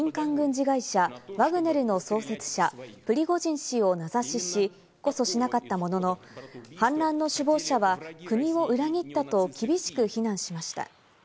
プーチン大統領は民間軍事会社ワグネルの創設者・プリゴジン氏を名指ししこそしなかったものの、反乱の首謀者は国を裏切ったと厳しく非難しました。